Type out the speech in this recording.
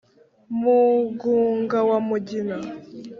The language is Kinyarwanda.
mugunga wa mugina